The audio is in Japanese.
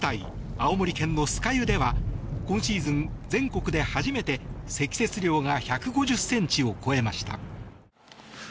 青森県の酸ヶ湯では今シーズン全国で初めて積雪量が１５０ｃｍを超えました。